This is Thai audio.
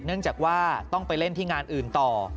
เนื่องจากว่าต้องไปเล่นที่งานอื่นต่อ